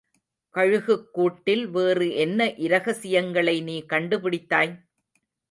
கழுகுக்கூட்டில் வேறு என்ன இரகசியங்களை நீ கண்டு பிடித்தாய்?